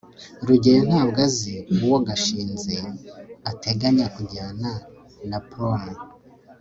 rugeyo ntabwo azi uwo gashinzi ateganya kujyana na prom